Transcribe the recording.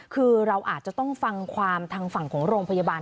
คือเราอาจจะต้องฟังความทางฝั่งของโรงพยาบาล